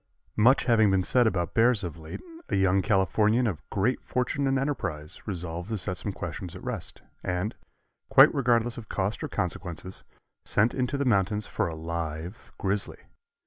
Much having been said about bears of late, a young Californian of great fortune and enterprise resolved to set some questions at rest, and, quite regardless of cost or consequences, sent into the mountains for a live grizzly.